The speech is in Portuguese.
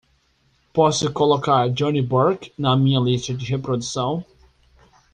Posso colocar johnny burke na minha lista de reprodução?